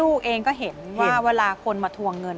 คุณก็เห็นว่าเวลาคนมาทวงเงิน